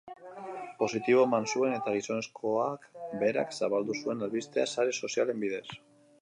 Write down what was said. Positibo eman zuen eta gizonezkoak berak zabaldu zuen albistea sare-sozialen bidez.